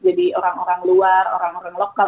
jadi orang orang luar orang orang lokal